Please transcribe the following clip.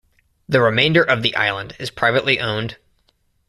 The remainder of the island is privately owned.